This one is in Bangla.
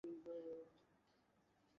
খুড়াকে সঙ্গে লইয়া অক্ষয় চলিয়া গেল।